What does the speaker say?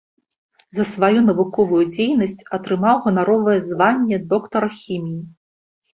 За сваю навуковую дзейнасць атрымаў ганаровае званне доктара хіміі.